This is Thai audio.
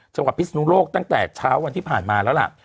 พิศนุโลกตั้งแต่เช้าวันที่ผ่านมาแล้วล่ะ